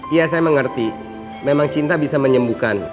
ya saya mengerti memang cinta bisa menyembuhkan